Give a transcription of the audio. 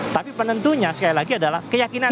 tapi penentunya sekali lagi adalah keyakinan